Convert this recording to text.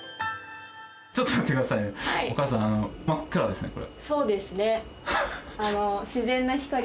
ちょっと待ってくださいね、そうですね。